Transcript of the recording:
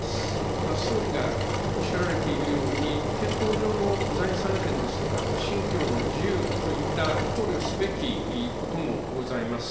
ただ総理がおっしゃられているように、憲法上の財産権ですとか、信教の自由といった考慮すべきこともございます。